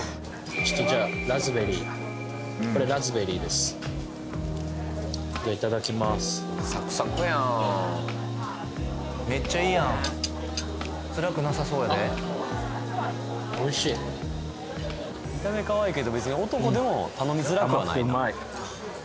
ちょっとじゃあラズベリーこれラズベリーですじゃあいただきますサクサクやんめっちゃいいやんつらくなさそうやで見た目かわいいけど別に男でも頼みづらくはないな